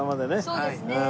そうですね。